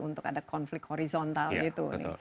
untuk ada konflik horizontal gitu